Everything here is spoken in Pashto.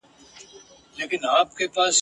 ته یې ونیسه مابین په خپلو داړو ..